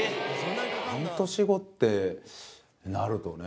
半年後ってなるとね。